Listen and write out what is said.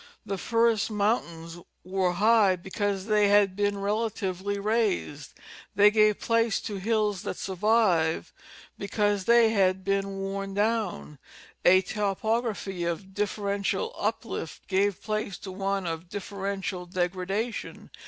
The first mountains were high because they had been relatively raised ; they gave place to hills that survived because they had Round about Asheville. 299 not been worn down. A topography of diiferential uplift gave place to one of differential degradation.